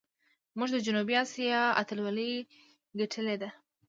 موږ د جنوبي آسیا اتلولي ګټلې ده.